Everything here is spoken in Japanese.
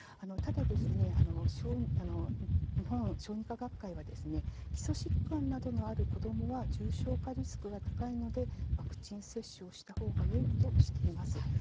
ただ、日本小児科学会は基礎疾患などのある子どもは重症化リスクが高いのでワクチン接種をしたほうがよいとしています。